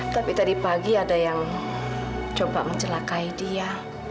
tapi tadi pagi ada yang coba mencelakai dia